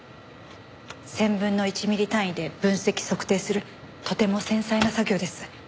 １０００分の１ミリ単位で分析測定するとても繊細な作業です。